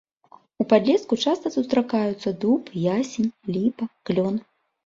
У падлеску часта сустракаюцца дуб, ясень, ліпа, клён.